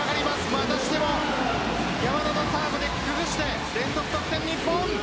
またしても山田のサーブで崩して連続得点、日本。